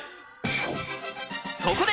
そこで！